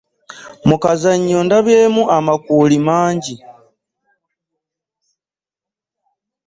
Mu kazannyo ndabyemu amakuuli mangi.